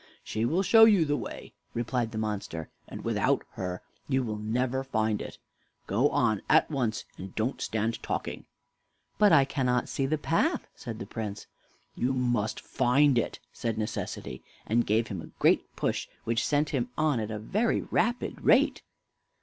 "She will show you the way," replied the monster, "and without her you will never find it. Go on at once, and don't stand talking." "But I cannot see the path," said the Prince. "You must find it," said Necessity, and gave him a great push, which sent him on at a very rapid rate.